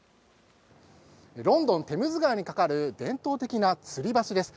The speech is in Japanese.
ロンドン・テムズ川に架かる伝統的なつり橋です。